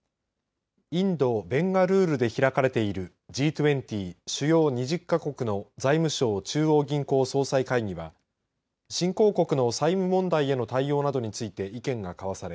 インド・ベンガルールで開かれているＧ２０、主要２０か国の財務相・中央銀行総裁会議は新興国の債務問題への対応などについて意見が交わされ